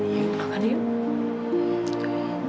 yuk makan yuk